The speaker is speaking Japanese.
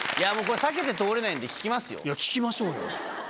避けて通れないんで、聞きま聞きましょうよ。